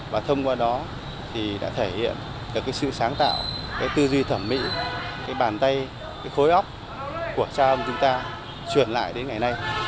và thông qua đó thì đã thể hiện được cái sự sáng tạo cái tư duy thẩm mỹ cái bàn tay cái khối óc của cha ông chúng ta truyền lại đến ngày nay